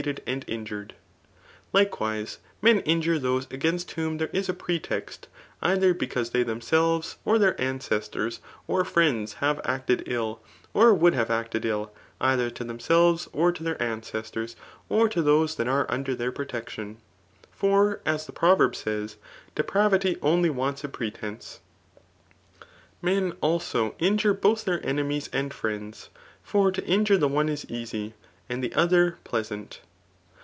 UHBTOitlC* 77 hsMd abd iiiga«e4 Xike^pviie, men fajnre diose agsjnst whom there is a pretext^ either because they themseWes, or their anceitofs^ or friendsi have acted fll, or troold hame acted iU, either to themseiveB, or to their ancestors^ •r to thofe that ave under their ^tection. For, as the prorerfosaysy DepMviiy Mfy wantt a pretence. Hen^ iJso^ iojure both itheir eneaiies and friends ; for to injure fl»i one is easy, imd the other pleasant.